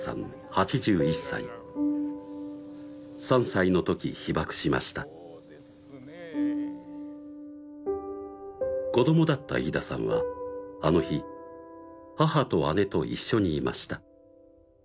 ８１歳３歳のとき被爆しました子どもだった飯田さんはあの日母と姉と一緒にいました